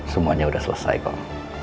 semuanya udah selesai kok